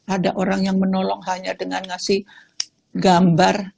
ada orang yang menolong hanya dengan ngasih gambar